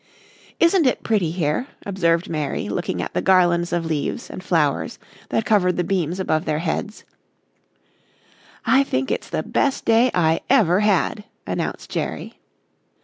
"Isn't it pretty here?" observed Mary, looking at the garlands of leaves and flowers that covered the beams above their heads. "I think it's the best day I ever had," announced Jerry.